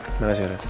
terima kasih aaron